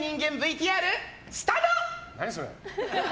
何それ。